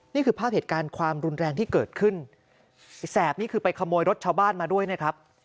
นี่คือภาพเหตุการณ์ความรุนแรงที่เกิดขึ้นไอ้แสบนี่คือไปขโมยรถชาวบ้านมาด้วยนะครับ